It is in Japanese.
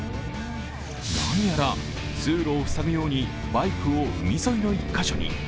何やら通路を塞ぐようにバイクを海沿いの１カ所に。